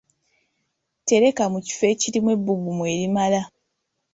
Tereka mu kifo ekirimu ebbugumu erimala